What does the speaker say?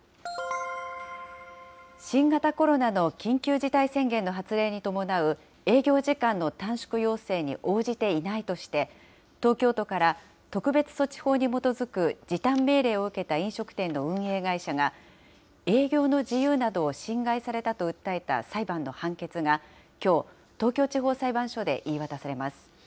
新型コロナの緊急事態宣言の発令に伴う営業時間の短縮要請に応じていないとして、東京都から、特別措置法に基づく時短命令を受けた飲食店の運営会社が、営業の自由などを侵害されたと訴えた裁判の判決が、きょう、東京地方裁判所で言い渡されます。